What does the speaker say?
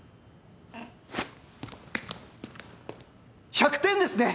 １００点ですね！